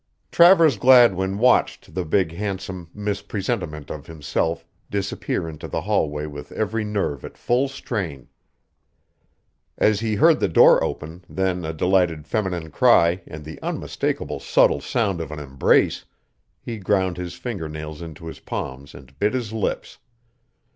Travers Gladwin watched the big handsome mis presentiment of himself disappear into the hallway with every nerve at full strain. As he heard the door open, then a delighted feminine cry and the unmistakable subtle sound of an embrace, he ground his finger nails into his palms and bit his lips.